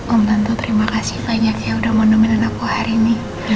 om tante terima kasih banyak yang udah menemani aku hari ini